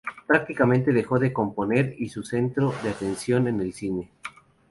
Prácticamente dejó de componer y centró su atención en el cine.